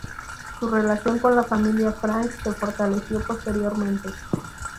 Su relación con la familia Frank se fortaleció posteriormente.